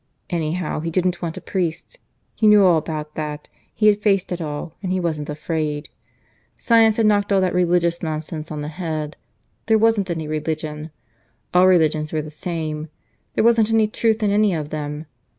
Anyhow, he didn't want a priest. He knew all about that: he had faced it all, and he wasn't afraid. Science had knocked all that religious nonsense on the head. There wasn't any religion. All religions were the same. There wasn't any truth in any of them.